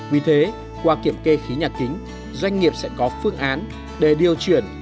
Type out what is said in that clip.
vì thế qua kiểm kê khí nhà kính doanh nghiệp sẽ có phương án để điều chuyển